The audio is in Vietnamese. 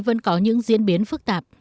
vẫn có những diễn biến phức tạp